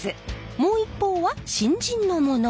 もう一方は新人のもの。